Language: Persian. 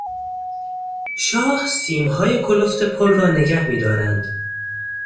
شاه سیمهای کلفت پل را نگه میدارند.